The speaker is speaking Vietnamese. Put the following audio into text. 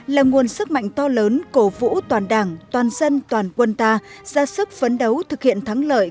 là nguồn sức mạnh to lớn cổ vũ toàn đảng toàn dân toàn quân ta ra sức phấn đấu thực hiện thắng lợi